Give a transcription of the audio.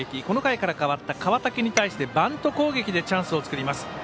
この回から代わった川竹に対してバント攻撃でチャンスを作ります。